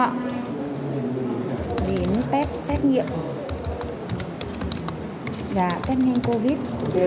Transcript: và tết nghiệm covid